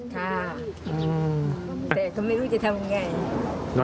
ค่ะแต่ก็ไม่รู้จะทำยังไง